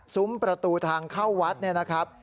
ประตูทางเข้าวัดเนี่ยนะครับ